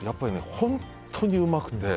本当にうまくて。